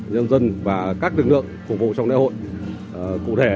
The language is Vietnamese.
bố trí ba tổ chức cũng kiên quyết không để trâu có dấu hiệu bất thường vào sân thi đấu